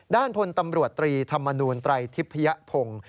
ด้านพลตำรวจตรีธรรมนูลไตรทิพยพงศ์